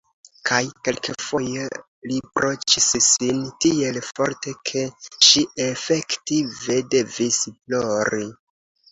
Kaj kelkfoje riproĉis sin tiel forte, ke ŝi efektive devis plori.